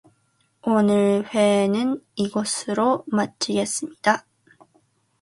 오늘 회의는 이것으로 마치겠습니다.